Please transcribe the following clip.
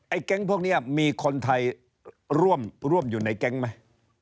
แก๊งพวกนี้มีคนไทยร่วมอยู่ในแก๊งไหม